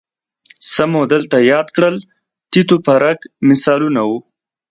څه مو دلته یاد کړل تیت و پرک مثالونه وو